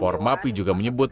formapi juga menyebut